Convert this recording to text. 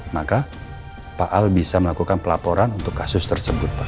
maka pak al bisa melakukan pelaporan untuk kasus tersebut pak